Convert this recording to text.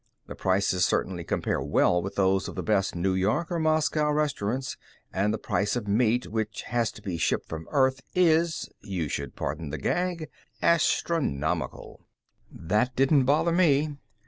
The prices certainly compare well with those of the best New York or Moscow restaurants, and the price of meat, which has to be shipped from Earth, is you should pardon the gag astronomical. That didn't bother me.